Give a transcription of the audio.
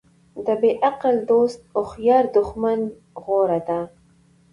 تر بیعقل دوست هوښیار دښمن غوره ده.